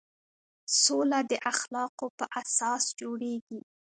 سوله د اخلاقو په اساس جوړېږي.